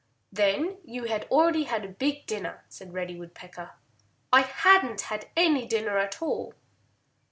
"Then you had already had a big dinner," said Reddy Woodpecker. "I hadn't had any dinner at all!"